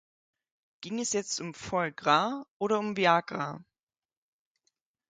Ging es jetzt um foie gras oder um Viagra?